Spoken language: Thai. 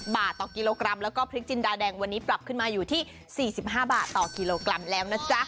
บาทต่อกิโลกรัมแล้วก็พริกจินดาแดงวันนี้ปรับขึ้นมาอยู่ที่๔๕บาทต่อกิโลกรัมแล้วนะจ๊ะ